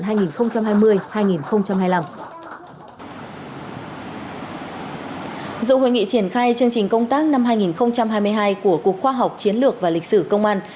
dự hội nghị triển khai chương trình công tác năm hai nghìn hai mươi hai của cục khoa học chiến lược và lịch sử công an